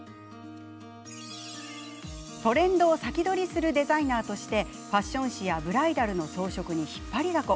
トレンドを先取りするデザイナーとしてファッション誌やブライダルの装飾に引っ張りだこ。